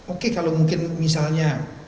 oke kalau mungkin misalnya